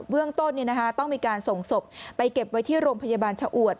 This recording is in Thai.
เรื่องต้นต้องมีการส่งศพไปเก็บไว้ที่โรงพยาบาลชะอวด